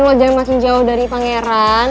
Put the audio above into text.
lo jangan masing masing jauh dari pangeran